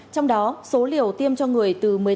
trong đó số liều tiêm cho người từ